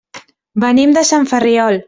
Venim de Sant Ferriol.